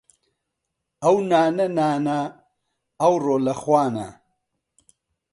ئەو نانە نانە ، ئەوڕۆ لە خوانە